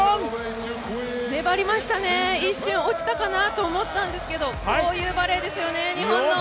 粘りましたね、一瞬落ちたかなと思ったんですがこういうバレーですよね、日本の。